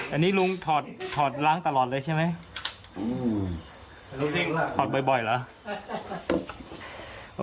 อันนี้ลุงถอดถอดล้างตลอดเลยใช่ไหมถอดบ่อยเหรอ